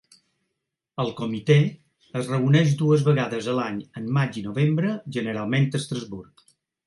El Comitè es reuneix dues vegades a l'any, en maig i novembre, generalment a Estrasburg.